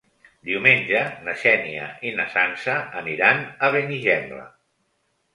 Diumenge na Xènia i na Sança aniran a Benigembla.